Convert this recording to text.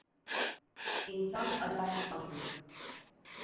İnsan acayip mahluk…